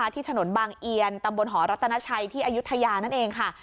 ที่ถนนบางเอียนตำบลหอรัตนาชัยที่อายุทยานั่นเองค่ะ